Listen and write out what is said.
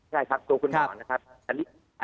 ใช่ครับตัวคุณหมอนะครับ